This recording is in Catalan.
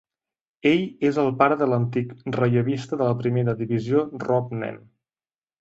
Ell és el pare de l'antic rellevista de la primera divisió Robb Nen.